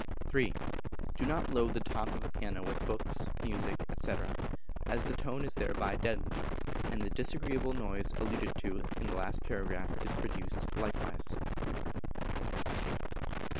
iii. Do not load the top of a piano with books, music, &c., as the tone is thereby deadened, and the disagreeable noise alluded to in the last paragraph is often produced likewise.